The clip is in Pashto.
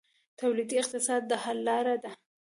تولیدي اقتصاد د حل لاره ده